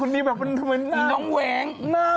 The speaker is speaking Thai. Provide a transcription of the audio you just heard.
มีน้องแหวง